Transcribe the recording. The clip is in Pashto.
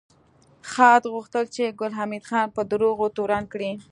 خاد غوښتل چې ګل حمید خان په دروغو تورن کړي